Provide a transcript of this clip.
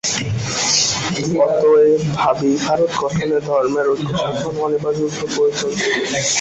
অতএব ভাবী ভারত-গঠনে ধর্মের ঐক্যসাধন অনিবার্যরূপে প্রয়োজন।